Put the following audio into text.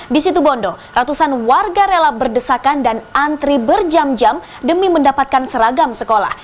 di situ bondo ratusan warga rela berdesakan dan antri berjam jam demi mendapatkan seragam sekolah